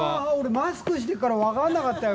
マスクしてるからわからなかったよ。